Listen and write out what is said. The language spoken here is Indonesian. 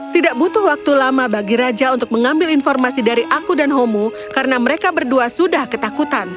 tidak butuh waktu lama bagi raja untuk mengambil informasi dari aku dan homo karena mereka berdua sudah ketakutan